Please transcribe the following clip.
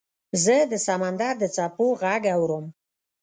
زه د سمندر د څپو غږ اورم .